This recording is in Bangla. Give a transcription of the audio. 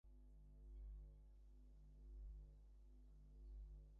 এফডিএ বলছে, বর্তমানে বাজারে প্রায় দুই হাজার রকমের জীবাণুনাশক সাবান রয়েছে।